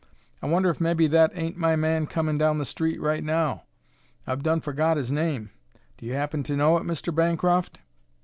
I wonder if mebbe that ain't my man comin' down the street right now! I've done forgot his name; do you happen to know it, Mr. Bancroft?"